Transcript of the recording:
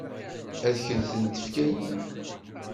Ad kent-ten-fkent?